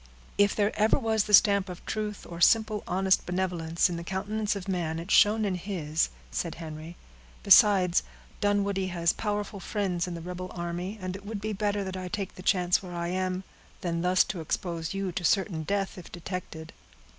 "If there ever was the stamp of truth, or simple, honest benevolence, in the countenance of man, it shone in his," said Henry. "Besides, Dunwoodie has powerful friends in the rebel army, and it would be better that I take the chance where I am, than thus to expose you to certain death, if detected."